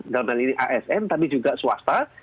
dalam hal ini asn tapi juga swasta